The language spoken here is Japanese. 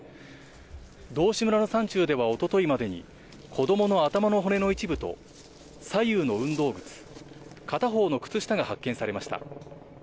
道志村の山中では一昨日までに子供の頭の骨の一部と左右の運動靴、片方の靴下が発見されました。